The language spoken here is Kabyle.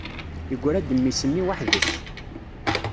Yegra-d mmi-s-nni waḥed-s.